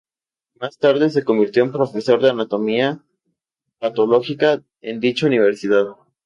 Más tarde se convirtió en profesor de anatomía patológica en dicha universidad.